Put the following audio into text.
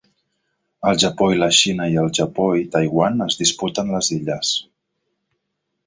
El Japó i la Xina i el Japó i Taiwan es disputen les illes.